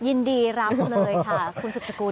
ยินดีรับเลยค่ะคุณสุดสกุล